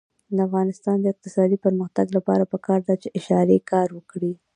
د افغانستان د اقتصادي پرمختګ لپاره پکار ده چې اشارې کار وکړي.